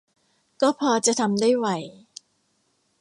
ก็พอจะทำได้ไหว